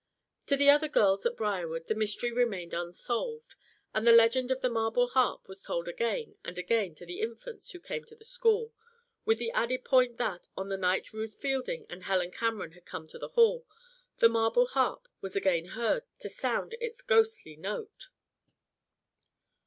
To the other girls at Briarwood, the mystery remained unsolved, and the legend of the marble harp was told again and again to the Infants who came to the school, with the added point that, on the night Ruth Fielding and Helen Cameron had come to the hall, the marble harp was again heard to sound its ghostly note.